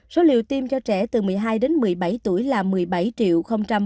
số liều tiêm cho trẻ từ một mươi hai đến một mươi bảy tuổi là một mươi bảy bốn mươi một chín trăm hai mươi tám liều